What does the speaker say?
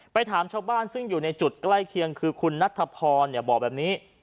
ถามชาวบ้านซึ่งอยู่ในจุดใกล้เคียงคือคุณนัทพรบอกแบบนี้